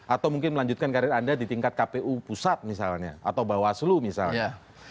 atau mungkin melanjutkan karir anda di tingkat kpu pusat misalnya atau bawaslu misalnya